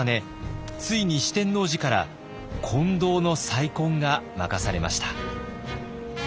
ついに四天王寺から金堂の再建が任されました。